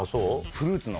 フルーツの。